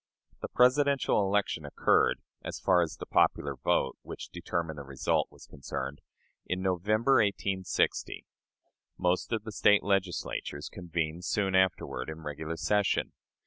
The Presidential election occurred (as far as the popular vote, which determined the result, was concerned) in November, 1860. Most of the State Legislatures convened soon afterward in regular session.